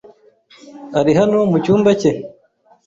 Ari hano mu cyumba cye?